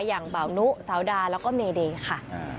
อย่างเบานุสาวดาแล้วก็เมเดย์ค่ะ